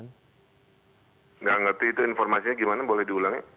nggak ngerti itu informasinya gimana boleh diulangin